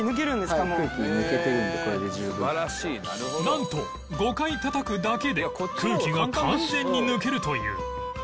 なんと５回たたくだけで空気が完全に抜けるという